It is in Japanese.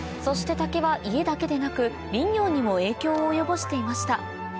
竹は家だけでなく林業にも影響を及ぼしていました